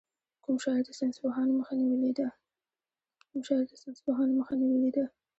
کوم شاعر د ساینسپوهانو مخه نېولې ده.